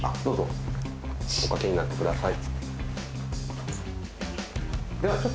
おかけになってください。